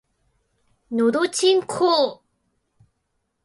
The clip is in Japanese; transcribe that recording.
のどちんこぉ